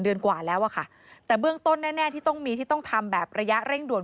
กว่าแล้วอะค่ะแต่เบื้องต้นแน่แน่ที่ต้องมีที่ต้องทำแบบระยะเร่งด่วน